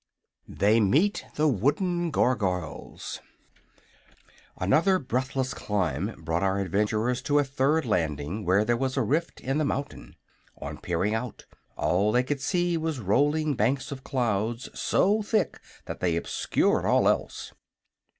THEY MEET THE WOODEN GARGOYLES Another breathless climb brought our adventurers to a third landing where there was a rift in the mountain. On peering out all they could see was rolling banks of clouds, so thick that they obscured all else.